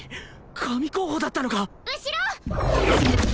神候補だったのか後ろ！